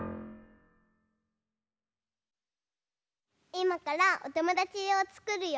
いまからおともだちをつくるよ。